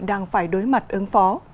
đang phải đối mặt ứng phó